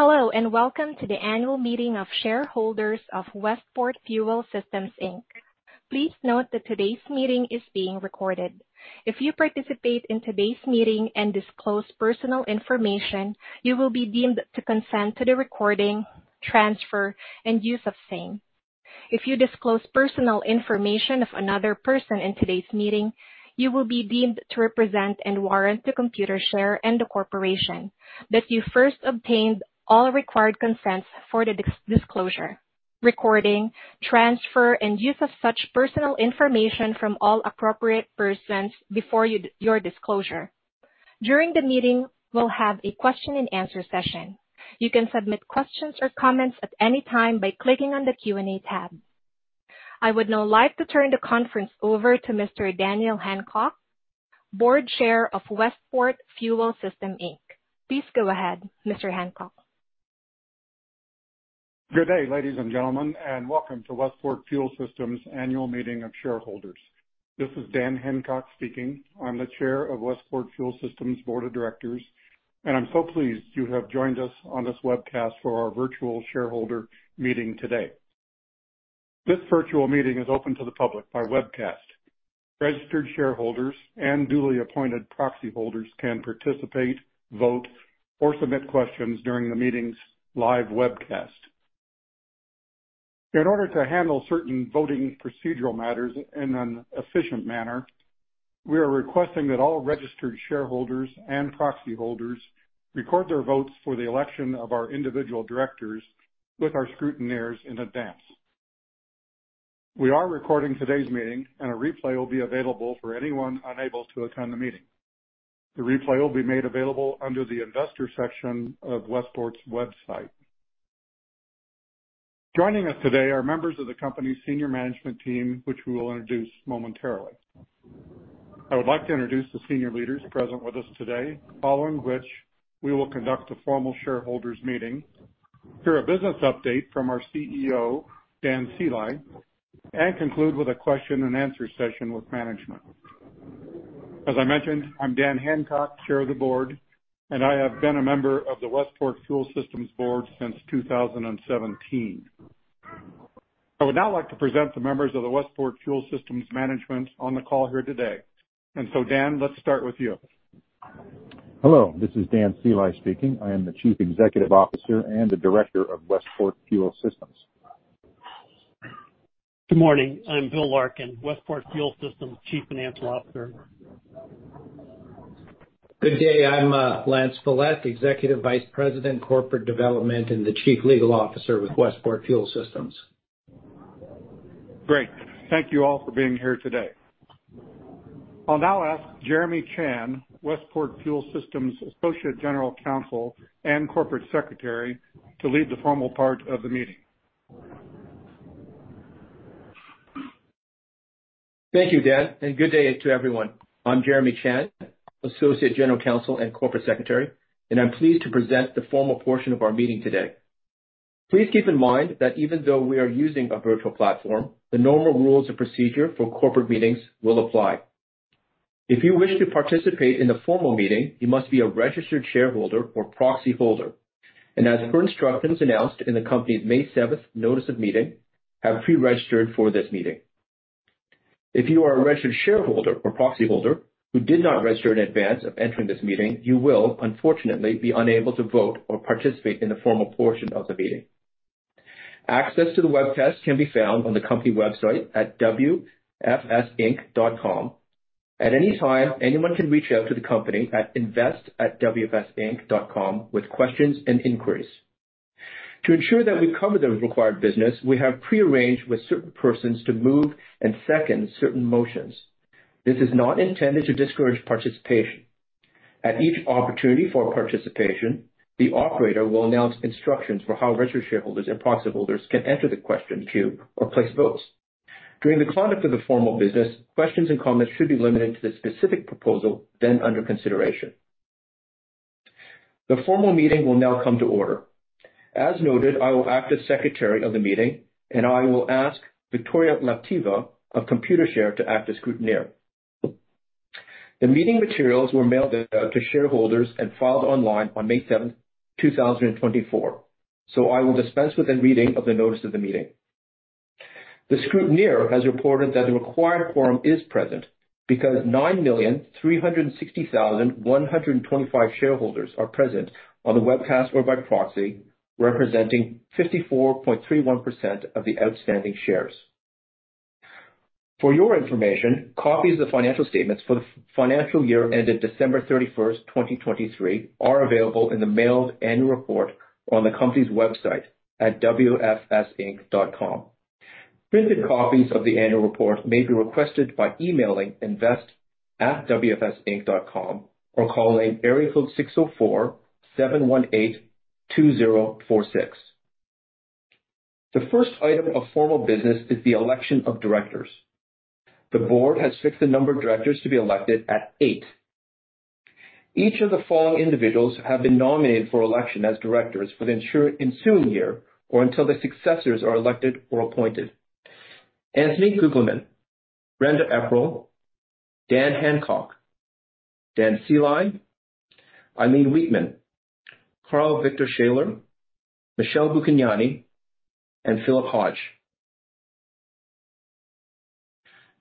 Hello, and welcome to the annual meeting of shareholders of Westport Fuel Systems, Inc. Please note that today's meeting is being recorded. If you participate in today's meeting and disclose personal information, you will be deemed to consent to the recording, transfer, and use of same. If you disclose personal information of another person in today's meeting, you will be deemed to represent and warrant to Computershare and the corporation that you first obtained all required consents for the disclosure, recording, transfer, and use of such personal information from all appropriate persons before your disclosure. During the meeting, we'll have a question and answer session. You can submit questions or comments at any time by clicking on the Q&A tab. I would now like to turn the conference over to Mr. Daniel Hancock, Board Chair of Westport Fuel Systems, Inc. Please go ahead, Mr. Hancock. Good day, ladies and gentlemen, and welcome to Westport Fuel Systems' annual meeting of shareholders. This is Dan Hancock speaking. I'm the Chair of Westport Fuel Systems' Board of Directors, and I'm so pleased you have joined us on this webcast for our virtual shareholder meeting today. This virtual meeting is open to the public by webcast. Registered shareholders and duly appointed proxy holders can participate, vote, or submit questions during the meeting's live webcast. In order to handle certain voting procedural matters in an efficient manner, we are requesting that all registered shareholders and proxy holders record their votes for the election of our individual directors with our scrutineers in advance. We are recording today's meeting, and a replay will be available for anyone unable to attend the meeting. The replay will be made available under the investor section of Westport's website. Joining us today are members of the company's senior management team, which we will introduce momentarily. I would like to introduce the senior leaders present with us today, following which we will conduct a formal shareholders meeting, hear a business update from our CEO, Dan Sceli, and conclude with a question-and-answer session with management. As I mentioned, I'm Dan Hancock, Chair of the Board, and I have been a member of the Westport Fuel Systems board since 2017. I would now like to present the members of the Westport Fuel Systems management on the call here today. Dan, let's start with you. Hello, this is Dan Sceli speaking. I am the Chief Executive Officer and a Director of Westport Fuel Systems. Good morning. I'm Bill Larkin, Westport Fuel Systems Chief Financial Officer. Good day. I'm Lance Follett, Executive Vice President, Corporate Development, and the Chief Legal Officer with Westport Fuel Systems. Great. Thank you all for being here today. I'll now ask Jeremy Chan, Westport Fuel Systems Associate General Counsel and Corporate Secretary, to lead the formal part of the meeting. Thank you, Dan, and good day to everyone. I'm Jeremy Chan, Associate General Counsel and Corporate Secretary, and I'm pleased to present the formal portion of our meeting today. Please keep in mind that even though we are using a virtual platform, the normal rules and procedure for corporate meetings will apply. If you wish to participate in the formal meeting, you must be a registered shareholder or proxy holder, and as per instructions announced in the company's May 7th notice of meeting, have pre-registered for this meeting. If you are a registered shareholder or proxy holder who did not register in advance of entering this meeting, you will unfortunately be unable to vote or participate in the formal portion of the meeting. Access to the webcast can be found on the company website at wfsinc.com. At any time, anyone can reach out to the company at invest@wfsinc.com with questions and inquiries. To ensure that we cover the required business, we have pre-arranged with certain persons to move and second certain motions. This is not intended to discourage participation. At each opportunity for participation, the operator will announce instructions for how registered shareholders and proxy holders can enter the question queue or place votes. During the conduct of the formal business, questions and comments should be limited to the specific proposal then under consideration. The formal meeting will now come to order. As noted, I will act as secretary of the meeting, and I will ask Victoria Lapteva of Computershare to act as scrutineer. The meeting materials were mailed out to shareholders and filed online on May 7th, 2024, so I will dispense with the reading of the notice of the meeting. The scrutineer has reported that a required quorum is present because 9,360,125 shareholders are present on the webcast or by proxy, representing 54.31% of the outstanding shares. For your information, copies of financial statements for the financial year ended December 31st, 2023 are available in the mailed annual report on the company's website at wfsinc.com. Printed copies of the annual report may be requested by emailing invest@wfsinc.com or calling area code 604-718-2046. The first item of formal business is the election of directors. The board has fixed the number of directors to be elected at eight. Each of the following individuals have been nominated for election as directors for the ensuing year or until their successors are elected or appointed: Anthony Guglielmin, Brenda Eprile, Dan Hancock, Dan Sceli, Eileen Wheatman, Karl-Viktor Schaller, Michele Buchignani, and Philip Hodge.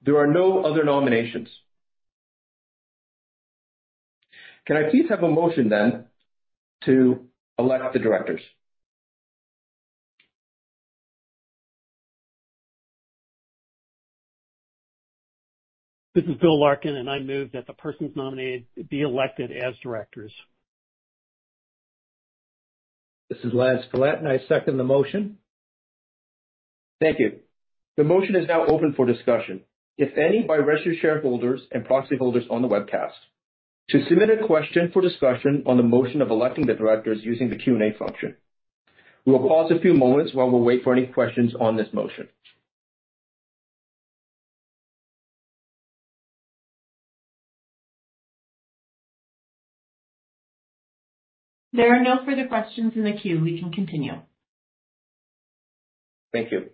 There are no other nominations. Can I please have a motion then to elect the directors? This is Bill Larkin, and I move that the persons nominated be elected as directors. This is Lance Follett, and I second the motion. Thank you. The motion is now open for discussion, if any, by registered shareholders and proxy holders on the webcast. To submit a question for discussion on the motion of electing the directors using the Q&A function. We'll pause a few moments while we wait for any questions on this motion. There are no further questions in the queue. We can continue. Thank you.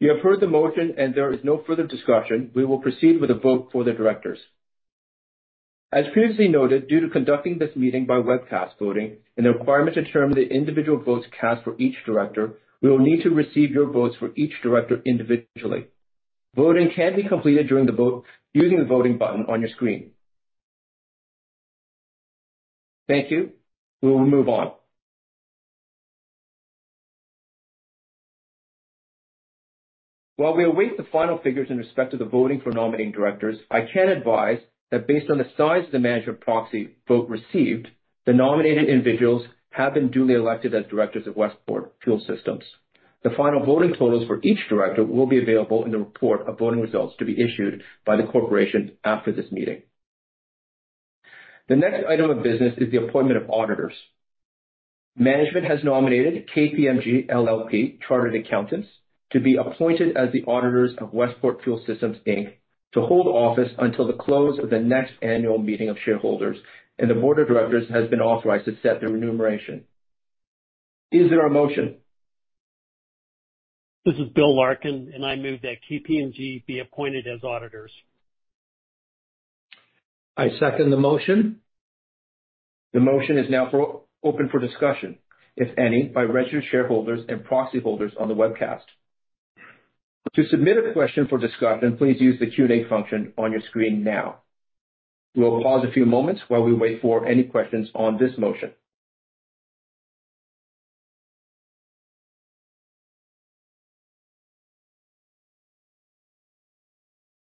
We have heard the motion, and there is no further discussion. We will proceed with a vote for the directors. As previously noted, due to conducting this meeting by webcast voting, and the requirement to determine the individual votes cast for each director, we will need to receive your votes for each director individually. Voting can be completed during the vote using the voting button on your screen. Thank you. We will move on. While we await the final figures in respect to the voting for nominating directors, I can advise that based on the size of the management proxy vote received, the nominated individuals have been duly elected as directors of Westport Fuel Systems. The final voting totals for each director will be available in the report of voting results to be issued by the corporation after this meeting. The next item of business is the appointment of auditors. Management has nominated KPMG LLP Chartered Accountants to be appointed as the auditors of Westport Fuel Systems, Inc. to hold office until the close of the next annual meeting of shareholders, and the board of directors has been authorized to set their remuneration. Is there a motion? This is Bill Larkin, and I move that KPMG be appointed as auditors. I second the motion. The motion is now open for discussion, if any, by registered shareholders and proxy holders on the webcast. To submit a question for discussion, please use the Q&A function on your screen now. We'll pause a few moments while we wait for any questions on this motion.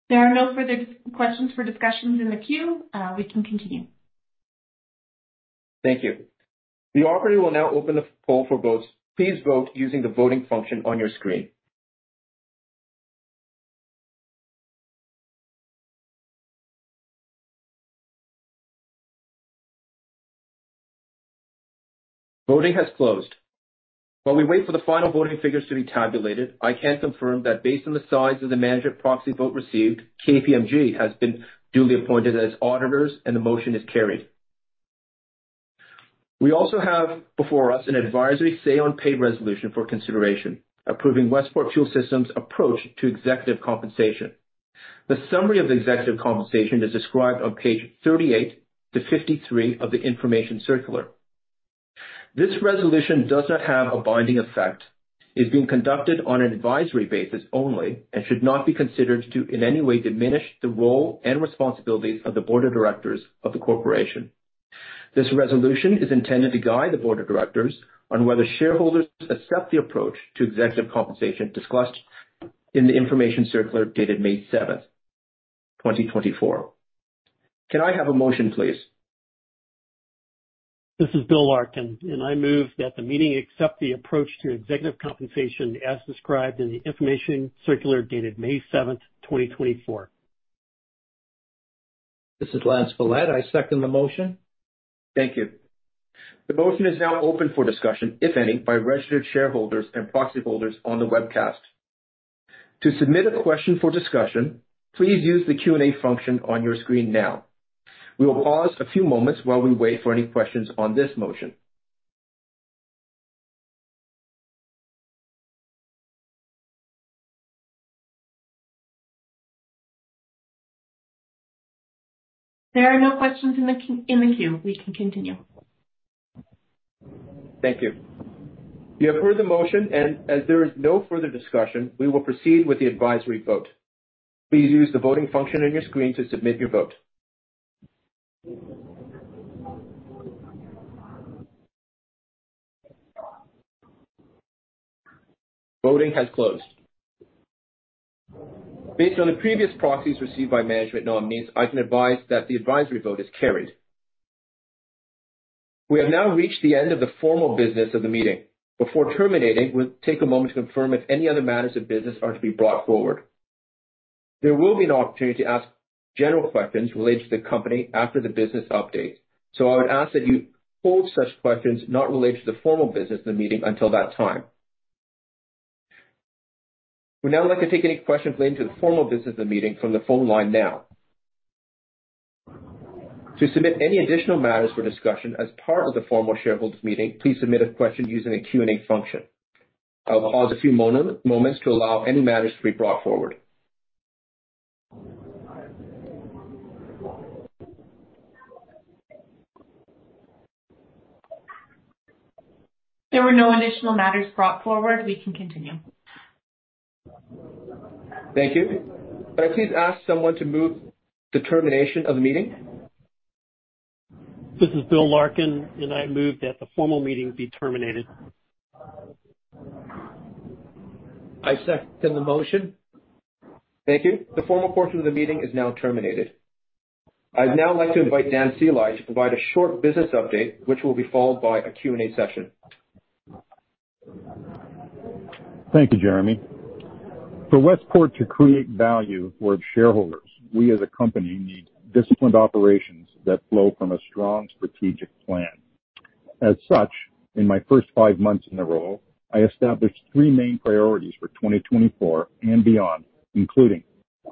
There are no further questions for discussion in the queue. We can continue. Thank you. The operator will now open the poll for votes. Please vote using the voting function on your screen. Voting has closed. While we wait for the final voting figures to be calculated, I can confirm that based on the size of the management proxy vote received, KPMG has been duly appointed as auditors and the motion is carried. We also have before us an advisory say on pay resolution for consideration, approving Westport Fuel Systems' approach to executive compensation. The summary of executive compensation is described on page 38 to 53 of the information circular. This resolution does not have a binding effect, is being conducted on an advisory basis only, and should not be considered to in any way diminish the role and responsibilities of the board of directors of the corporation. This resolution is intended to guide the board of directors on whether shareholders accept the approach to executive compensation discussed in the information circular dated May 7th, 2024. Can I have a motion, please? This is Bill Larkin, and I move that the meeting accept the approach to executive compensation as described in the information circular dated May 7th, 2024. This is Lance Follett, I second the motion. Thank you. The motion is now open for discussion, if any, by registered shareholders and proxy holders on the webcast. To submit a question for discussion, please use the Q&A function on your screen now. We will pause a few moments while we wait for any questions on this motion. There are no questions in the queue. We can continue. Thank you. We have heard the motion. As there is no further discussion, we will proceed with the advisory vote. Please use the voting function on your screen to submit your vote. Voting has closed. Based on the previous proxies received by management, no means I can advise that the advisory vote is carried. We have now reached the end of the formal business of the meeting. Before terminating, we'll take a moment to confirm if any other matters of business are to be brought forward. I would ask that you hold such questions not related to the formal business of the meeting until that time. We'll now like to take any questions related to the formal business of the meeting from the phone line now. To submit any additional matters for discussion as part of the formal shareholders' meeting, please submit a question using the Q&A function. I will pause a few moments to allow any matters to be brought forward. There were no additional matters brought forward. We can continue. Thank you. Can I please ask someone to move the termination of the meeting? This is Bill Larkin, and I move that the formal meeting be terminated. I second the motion. Thank you. The formal portion of the meeting is now terminated. I'd now like to invite Dan Sceli to provide a short business update, which will be followed by a Q&A session. Thank you, Jeremy. For Westport to create value for its shareholders, we as a company need disciplined operations that flow from a strong strategic plan. In my first five months in the role, I established three main priorities for 2024 and beyond, including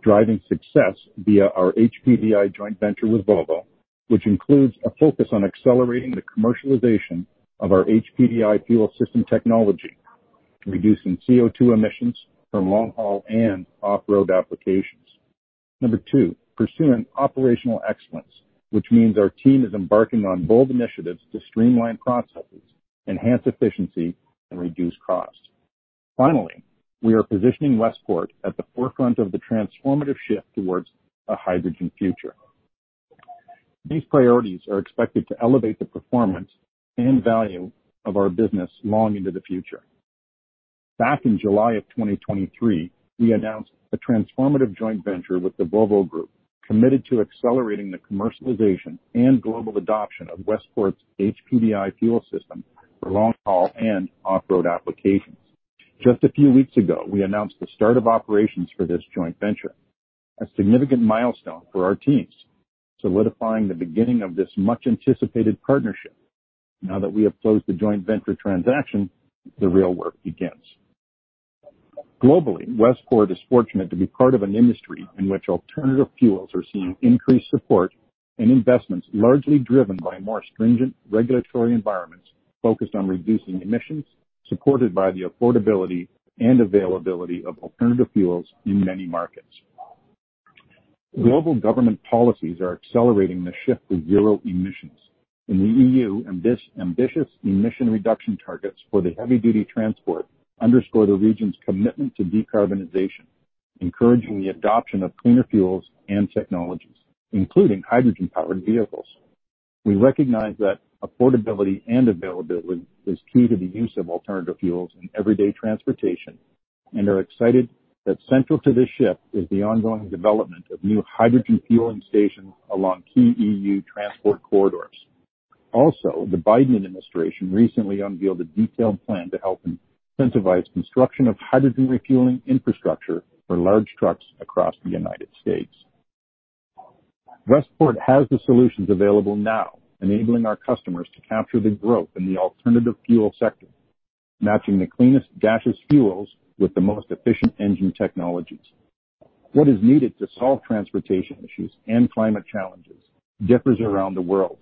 driving success via our HPDI joint venture with Volvo, which includes a focus on accelerating the commercialization of our HPDI fuel system technology, reducing CO₂ emissions from long-haul and off-road applications. Number two, pursuing operational excellence, which means our team is embarking on bold initiatives to streamline processes, enhance efficiency, and reduce costs. We are positioning Westport at the forefront of the transformative shift towards a hydrogen future. These priorities are expected to elevate the performance and value of our business long into the future. Back in July of 2023, we announced a transformative joint venture with the Volvo Group, committed to accelerating the commercialization and global adoption of Westport's HPDI fuel system for long-haul and off-road applications. Just a few weeks ago, we announced the start of operations for this joint venture, a significant milestone for our teams, solidifying the beginning of this much-anticipated partnership. Now that we have closed the joint venture transaction, the real work begins. Globally, Westport is fortunate to be part of an industry in which alternative fuels are seeing increased support and investments largely driven by more stringent regulatory environments focused on reducing emissions, supported by the affordability and availability of alternative fuels in many markets. Global government policies are accelerating the shift to zero emissions. In the EU, ambitious emission reduction targets for the heavy-duty transport underscore the region's commitment to decarbonization, encouraging the adoption of cleaner fuels and technologies, including hydrogen-powered vehicles. We recognize that affordability and availability is key to the use of alternative fuels in everyday transportation and are excited that central to this shift is the ongoing development of new hydrogen fueling stations along key EU transport corridors. Also, the Biden administration recently unveiled a detailed plan to help incentivize construction of hydrogen refueling infrastructure for large trucks across the United States. Westport has the solutions available now, enabling our customers to capture the growth in the alternative fuel sector, matching the cleanest gaseous fuels with the most efficient engine technologies. What is needed to solve transportation issues and climate challenges differs around the world.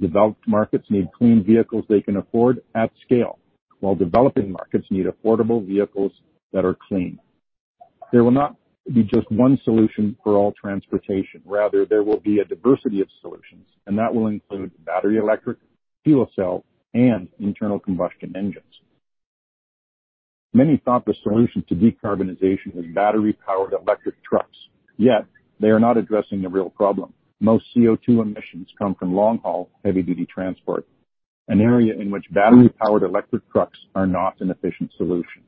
Developed markets need clean vehicles they can afford at scale, while developing markets need affordable vehicles that are clean. There will not be just one solution for all transportation. Rather, there will be a diversity of solutions, and that will include battery, electric, fuel cell, and internal combustion engines. Many thought the solution to decarbonization was battery-powered electric trucks, yet they are not addressing the real problem. Most CO₂ emissions come from long-haul, heavy-duty transport, an area in which battery-powered electric trucks are not an efficient solution.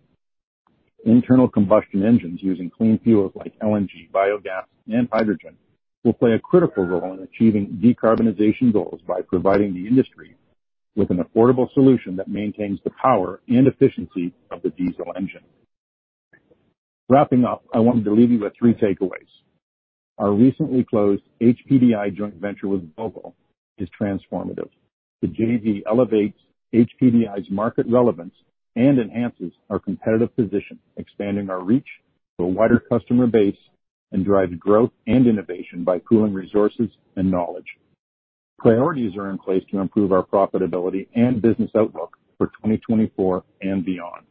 Internal combustion engines using clean fuel like LNG, biogas, and hydrogen will play a critical role in achieving decarbonization goals by providing the industry with an affordable solution that maintains the power and efficiency of a diesel engine. Wrapping up, I want to leave you with three takeaways. Our recently closed HPDI joint venture with Volvo is transformative. The JV elevates HPDI's market relevance and enhances our competitive position, expanding our reach to a wider customer base and drives growth and innovation by pooling resources and knowledge. Priorities are in place to improve our profitability and business outlook for 2024 and beyond.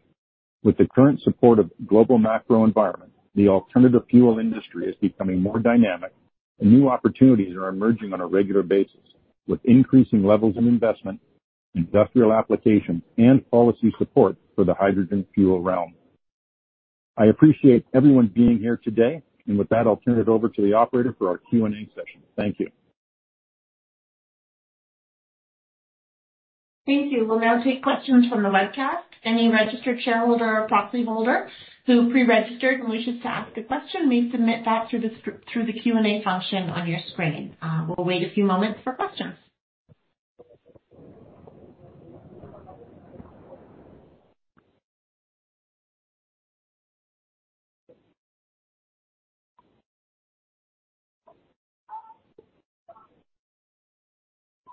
With the current support of global macro environment, the alternative fuel industry is becoming more dynamic and new opportunities are emerging on a regular basis, with increasing levels of investment, industrial application, and policy support for the hydrogen fuel realm. I appreciate everyone being here today, and with that, I'll turn it over to the operator for our Q&A session. Thank you. Thank you. We'll now take questions from the webcast. Any registered shareholder or proxy holder who pre-registered wishes to ask a question may submit that through the Q&A function on your screen. We'll wait a few moments for questions.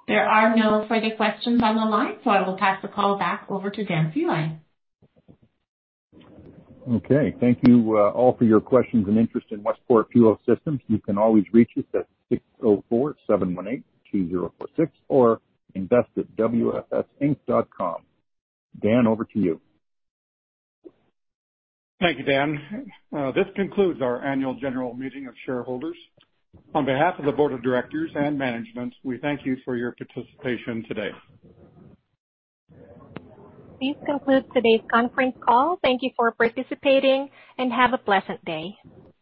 There are no further questions on the line, I will pass the call back over to Dan Sceli. Okay. Thank you all for your questions and interest in Westport Fuel Systems. You can always reach us at 604-718-2046 or invest@wfsinc.com. Dan, over to you. Thank you, Dan. This concludes our annual general meeting of shareholders. On behalf of the board of directors and management, we thank you for your participation today. This concludes today's conference call. Thank you for participating, and have a blessed day.